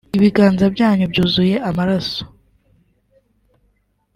ibiganza byanyu byuzuye amaraso